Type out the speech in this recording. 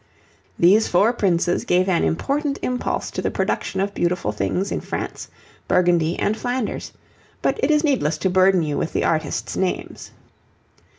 These four princes gave an important impulse to the production of beautiful things in France, Burgundy, and Flanders, but it is needless to burden you with the artists' names.